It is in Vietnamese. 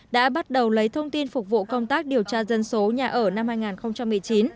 đã bắt đầu lấy thông tin phục vụ công tác điều tra dân số nhà ở năm hai nghìn một mươi chín